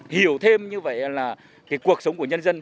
hiểu thêm như vậy là cuộc sống của nhân dân